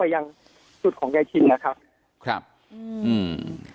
หายจริงหายจริงหายจริงหายจริงหายจริง